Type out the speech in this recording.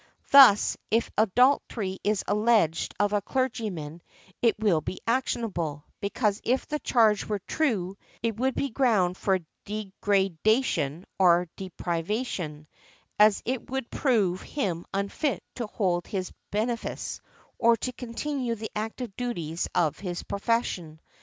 Thus, if adultery is alleged of a clergyman, it will be actionable, because if the charge were true, it would be a ground for degradation or deprivation, as it would prove him unfit to hold his benefice, or to continue the active duties of his profession.